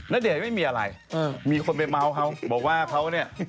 ณเดชน์ไม่มีอะไรมีคนไปเมาส์เขาบอกว่าเขาเนี่ย